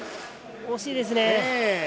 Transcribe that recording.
惜しいですね。